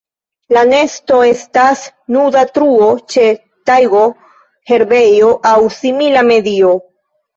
La nesto estas nuda truo ĉe tajgo, herbejo aŭ simila medio.